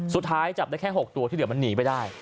สุดท้ายจับได้แค่๖ตัวที่เหลือมันหนีไปได้